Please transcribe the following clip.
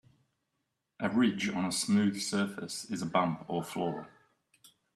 A ridge on a smooth surface is a bump or flaw.